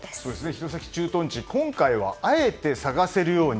弘前駐屯地、今回はあえて探せるように。